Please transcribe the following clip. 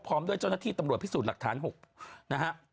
ด้วยเจ้าหน้าที่ตำรวจพิสูจน์หลักฐาน๖นะฮะ